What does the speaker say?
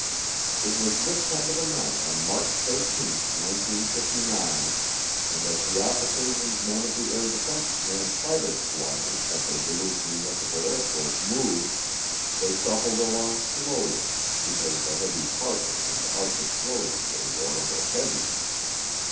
It was this kind of a night on March 13, 1959, and as the officers and men of the Air Defense Command fighter squadron at the Duluth Municipal Airport moved, they shuffled along slowly because the heavy parkas and arctic clothing they wore were heavy.